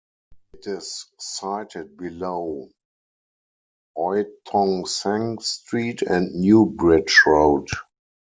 It is sited below Eu Tong Sen Street and New Bridge Road.